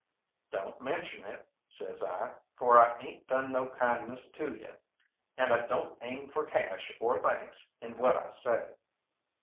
"Don't mention it," says I, "for I ain't done no kindness to you, and I don't aim for cash or thanks in what I say."